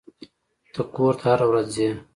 ته کور ته هره ورځ ځې.